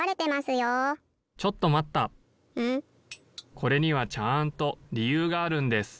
・これにはちゃんとりゆうがあるんです。